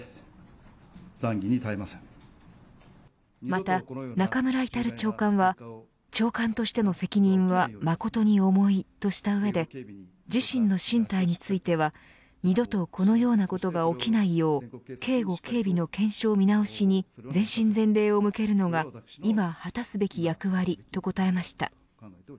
また中村格長官は長官としての責任は誠に重いとした上で自身の進退については二度とこのような事が起きないよう警護警備の検証見直しに全身全霊を向けるのが今果たすべき役割と答えました。